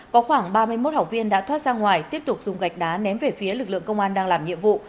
có khoảng ba mươi một học viên đã thoát ra ngoài tiếp tục dùng gạch đá ném về phía lực lượng công an đang làm nhiệm vụ